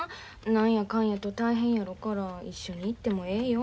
何やかんやと大変やろから一緒に行ってもええよ